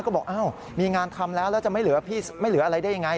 ก็บอกมีงานทำแล้วแล้วจะไม่เหลืออะไรได้ยังไง